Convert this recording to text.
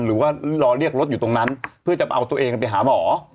หรือว่ารอเรียกรถอยู่ตรงนั้นเพื่อจะเอาตัวเองไปหาหมอ